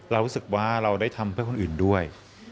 รู้สึกว่าเราได้ทำเพื่อคนอื่นด้วย